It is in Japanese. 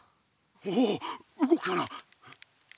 おう動くかな。